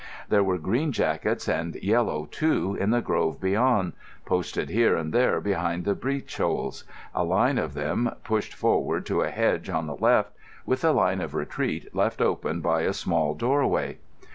There were green jackets and yellow, too, in the grove beyond, posted here and there behind the breech holes—a line of them pushed forward to a hedge on the left—with a line of retreat left open by a small doorway.